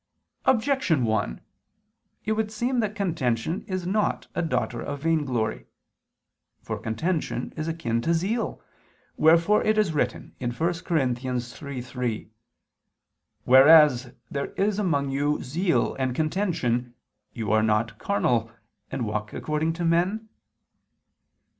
Objection 1: It would seem that contention is not a daughter of vainglory. For contention is akin to zeal, wherefore it is written (1 Cor. 3:3): "Whereas there is among you zeal [Douay: 'envying'] and contention, are you not carnal, and walk according to men?"